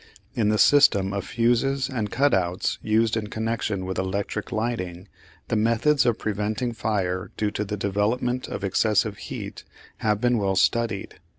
In the system of fuses and cut outs used in connection with electric lighting, the methods of preventing fire due to the development of excessive heat have been well studied.